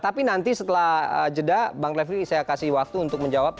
tapi nanti setelah jeda bang refli saya kasih waktu untuk menjawab